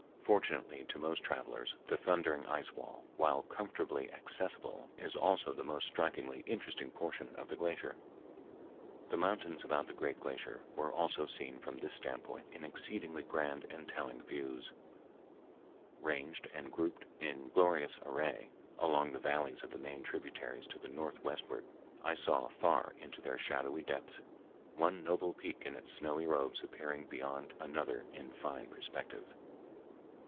Fortunately to most travelers the thundering ice wall, while comfortably accessible, is also the most strikingly interesting portion of the glacier. The mountains about the great glacier were also seen from this standpoint in exceedingly grand and telling views, ranged and grouped in glorious array. Along the valleys of the main tributaries to the northwestward I saw far into their shadowy depths, one noble peak in its snowy robes appearing beyond another in fine perspective.